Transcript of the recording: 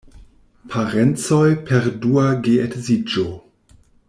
Parencoj per dua geedziĝo.